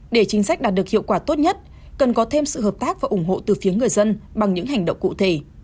để chính sách đạt được hiệu quả tốt nhất cần có thêm sự hợp tác và ủng hộ từ phía người dân bằng những hành động cụ thể